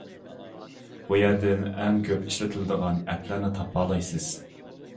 بۇ يەردىن ئەڭ كۆپ ئىشلىتىلىدىغان ئەپلەرنى تاپالايسىز.